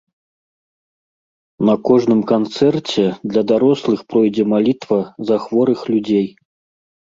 На кожным канцэрце для дарослых пройдзе малітва за хворых людзей.